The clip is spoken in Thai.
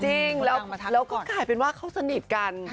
จริงแล้วก็กลายเป็นว่าเขาสนิทกัน